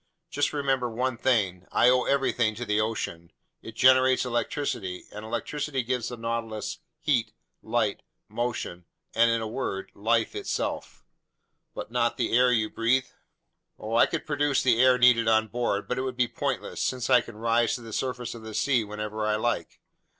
Just remember one thing: I owe everything to the ocean; it generates electricity, and electricity gives the Nautilus heat, light, motion, and, in a word, life itself." "But not the air you breathe?" "Oh, I could produce the air needed on board, but it would be pointless, since I can rise to the surface of the sea whenever I like.